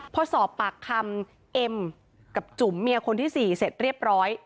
พอสอบปากคำเอ็มกับจุ๋มเมียคนที่๔เสร็จเรียบร้อย